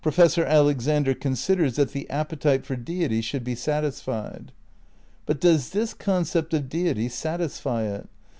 214 THE NEW IDEALISM v sor Alexander considers that the appetite for Deity should be satisfied. But does this concept of Deity satisfy it?